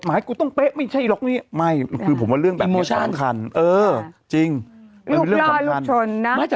อันนี้ติดใจตำรวจ